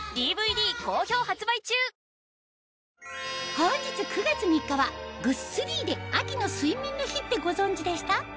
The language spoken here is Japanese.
本日９月３日はグッスリーで秋の睡眠の日ってご存じでした？